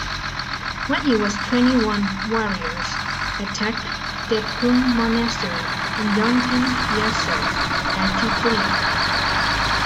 When he was twenty-one warriors attacked Drepung monastery and Yonten Gyatso had to flee.